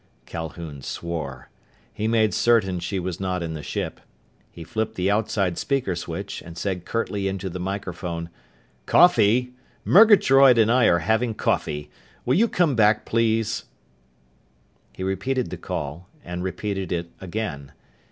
Calhoun swore. He made certain she was not in the ship. He flipped the outside speaker switch and said curtly into the microphone, "Coffee! Murgatroyd and I are having coffee. Will you come back, please?" He repeated the call, and repeated it again.